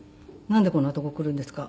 「なんでこんなとこ来るんですか？」